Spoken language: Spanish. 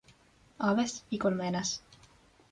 Aves y colmenas.